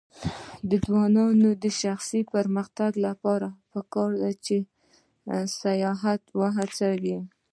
د ځوانانو د شخصي پرمختګ لپاره پکار ده چې سیاحت هڅوي.